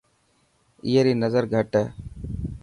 اي ري نظر گهٽ هي.